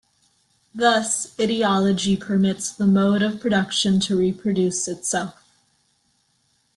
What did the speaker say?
Thus, ideology permits the mode of production to reproduce itself.